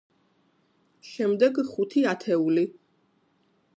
შემდეგ, ხუთი ათეული.